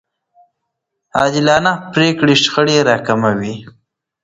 عادلانه پرېکړې شخړې راکموي.